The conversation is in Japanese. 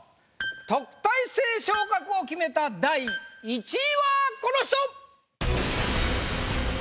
特待生昇格を決めた第１位はこの人！